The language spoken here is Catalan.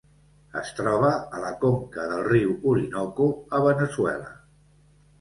Es troba a la conca del riu Orinoco a Veneçuela.